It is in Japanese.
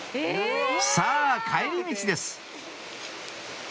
さぁ帰り道です